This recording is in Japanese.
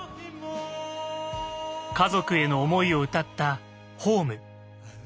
家族への思いを歌った「ｈｏｍｅ」。